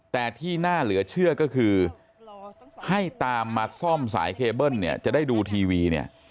แต่ที่น่าเหลือเชื่อก็คือให้ตามมาซ่อมสายเคเบิ้ลเนี่ยจะได้ดูทีวีเนี่ย